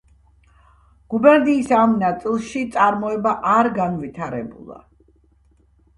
გუბერნიის ამ ნაწილში წარმოება არ განვითარებულა.